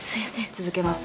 続けます。